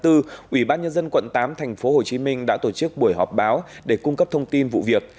ủy ban nhân dân quận tám tp hcm đã tổ chức buổi họp báo để cung cấp thông tin vụ việc